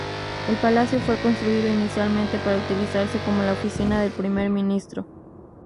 El palacio fue construido inicialmente para utilizarse como la oficina del Primer Ministro.